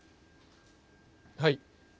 はい。